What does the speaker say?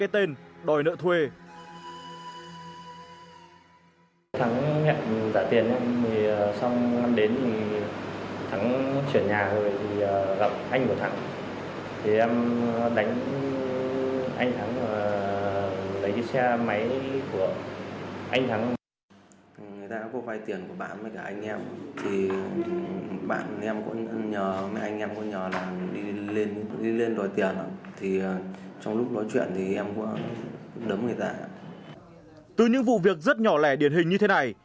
từ những vụ việc rất nhỏ lẻ điển hình như thế này